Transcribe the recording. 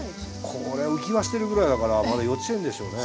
これ浮き輪してるぐらいだからまだ幼稚園でしょうね。